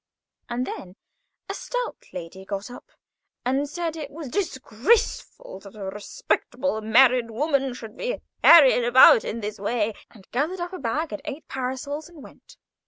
And then a stout lady got up, and said it was disgraceful that a respectable married woman should be harried about in this way, and gathered up a bag and eight parcels and went.